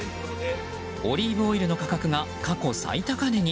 オリーブオイルの価格が過去最高値に。